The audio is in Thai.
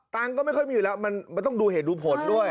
ก็ไม่ค่อยมีอยู่แล้วมันต้องดูเหตุดูผลด้วย